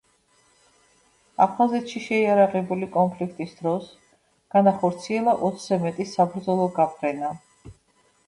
აფხაზეთში შეიარაღებული კონფლიქტის დროს განახორციელა ოცზე მეტი საბრძოლო გაფრენა.